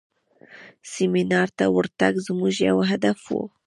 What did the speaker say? سیمینار ته ورتګ زموږ یو هدف و.